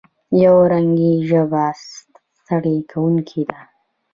یو رنګي ژبه ستړې کوونکې ده.